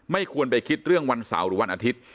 ควรไปคิดเรื่องวันเสาร์หรือวันอาทิตย์